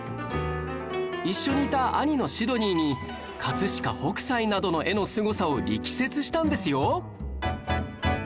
一緒にいた兄のシドニーに葛飾北斎などの絵のすごさを力説したんですよ